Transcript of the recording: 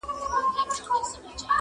هم روزي کورونه هم مېلمه دی په پاللی -